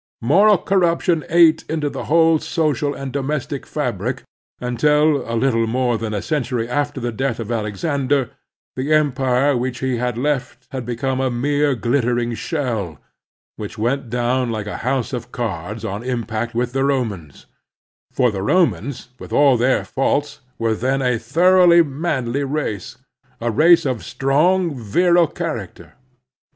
Moral corruption ate into the whole social and domestic fabric, until, a little more than a century after the death of Alexander, the empire which he had left had become a mere glittering shell, which went down like a hotise of cards on impact with the Romans; for the Romans, with all their faults, were then a thor oughly manly race — a race of strong, virile char acter.